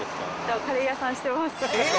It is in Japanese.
カレー屋さんしてます。